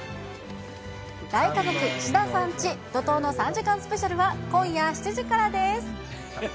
大家族石田さんチ、怒とうの３時間スペシャルは、今夜７時からです。